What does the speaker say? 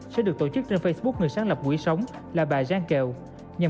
sẽ được tổ chức trên facebook người sáng lập quỹ sống là bà giang kieu